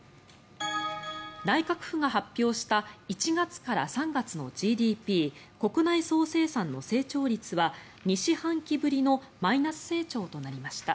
内閣府が発表した１月から３月のＧＤＰ・国内総生産の成長率は２四半期ぶりのマイナス成長となりました。